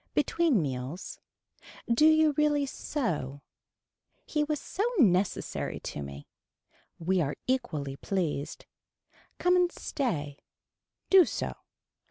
Between meals. Do you really sew. He was so necessary to me. We are equally pleased. Come and stay. Do so.